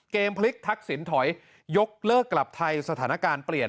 พลิกทักษิณถอยยกเลิกกลับไทยสถานการณ์เปลี่ยน